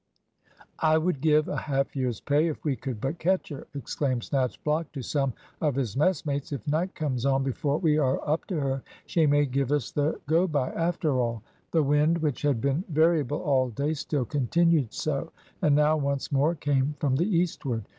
"I would give a half year's pay if we could but catch her," exclaimed Snatchblock to some of his messmates. "If night comes on before we are up to her, she may give us the go by after all." The wind, which had been variable all day, still continued so, and now once more came from the eastward.